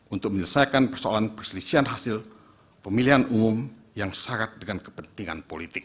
untuk menyelesaikan persoalan perselisihan hasil pemilihan umum yang syarat dengan kepentingan politik